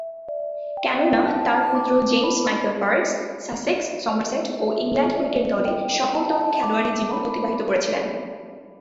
কেননা, তার পুত্র James Michael Parks Sussex, Somerset ও ইংল্যান্ড ক্রিকেট দলে সফলতম খেলোয়াড়ী জীবন অতিবাহিত করেছিলেন।